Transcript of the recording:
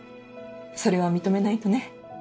それは認めないとね。